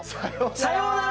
さよなら。